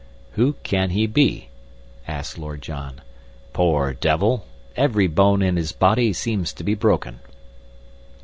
"Who can he be?" asked Lord John. "Poor devil! every bone in his body seems to be broken."